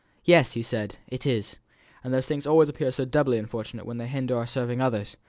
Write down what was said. "Yes!" he said, "it is. And these things always appear so doubly unfortunate when they hinder our serving others!